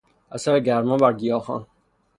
اثر گرما بر گیاهان